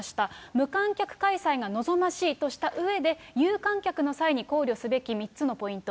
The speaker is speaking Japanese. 無観客開催が望ましいとしたうえで、有観客の際に考慮すべき３つのポイント。